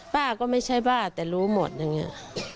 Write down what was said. ป้าก็ไม่ใช่ป้าแต่รู้หมดอย่างนี้